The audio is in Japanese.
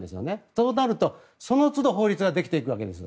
となると、そのつど法律ができていくわけです。